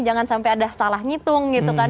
jangan sampai ada salah ngitung gitu kan